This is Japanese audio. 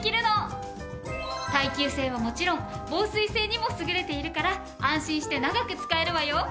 耐久性はもちろん防水性にも優れているから安心して長く使えるわよ！